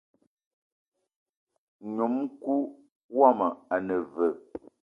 Ngnom-kou woma ane veu?